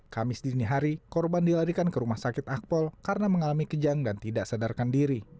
kamis dini hari korban dilarikan ke rumah sakit akpol karena mengalami kejang dan tidak sadarkan diri